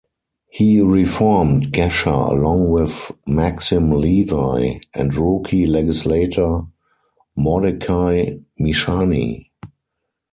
He reformed Gesher along with Maxim Levy and rookie legislator Mordechai Mishani.